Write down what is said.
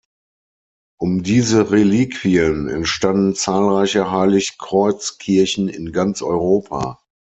Um diese Reliquien entstanden zahlreiche Heilig-Kreuz-Kirchen in ganz Europa.